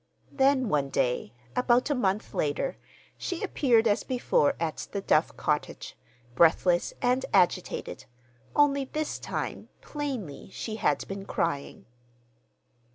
Then one day, about a month later, she appeared as before at the Duff cottage, breathless and agitated; only this time, plainly, she had been crying.